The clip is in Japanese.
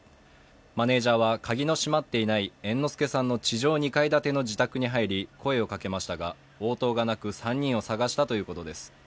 マネージャーは鍵の閉まっていない縁の助さんの地上２階建ての自宅に入り、声をかけましたが、応答がなく、３人を捜したということです。